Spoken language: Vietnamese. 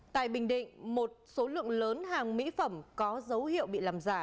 tại bình định một số lượng lớn hàng mỹ phẩm có dấu hiệu bị làm giả